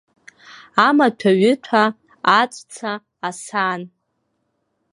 Амаҭәаҩыҭәа, аҵәца, асаан.